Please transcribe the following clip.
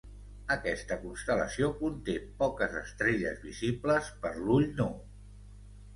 Aquesta constel·lació conté poques estrelles visibles per l'ull nu.